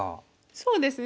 そうですね。